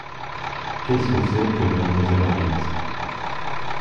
Qu’est-ce que c’est que mademoiselle Henriette ?